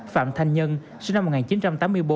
phạm thanh nhân sinh năm một nghìn chín trăm tám mươi bốn